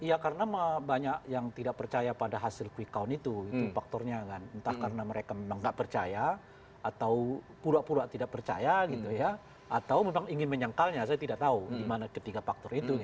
ya karena banyak yang tidak percaya pada hasil quick count itu itu faktornya kan entah karena mereka memang nggak percaya atau pura pura tidak percaya gitu ya atau memang ingin menyangkalnya saya tidak tahu di mana ketiga faktor itu